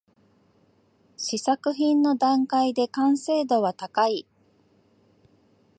試作品の段階で完成度は高い